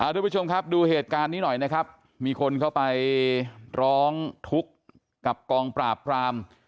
ทุกผู้ชมครับดูเหตุการณ์นี้หน่อยนะครับมีคนเข้าไปร้องทุกข์กับกองปราบปราม